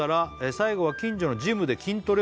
「最後は近所のジムで筋トレを」